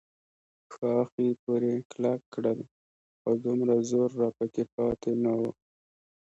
ښاخې پورې کلک کړل، خو دومره زور راپکې پاتې نه و.